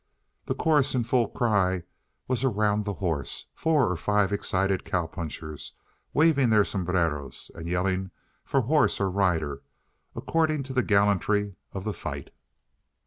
The chorus in full cry was around the horse, four or five excited cow punchers waving their sombreros and yelling for horse or rider, according to the gallantry of the fight.